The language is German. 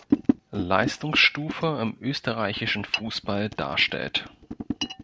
Leistungsstufe im österreichischen Fußball darstellt.